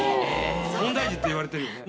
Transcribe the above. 問題児って言われてるよね。